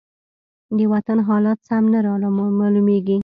د وطن حالات سم نه رامالومېږي.